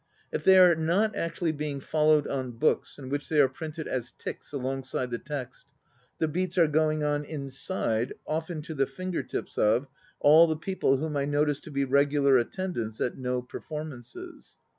If they are not actually being followed on books, in which they are printed as ticks alongside the text, the beats are going on inside (often to the finger tips of) all the people whom I notice to be regular attendants at No performances.